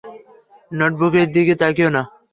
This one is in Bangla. নোটবুকের দিকে তাকিও না!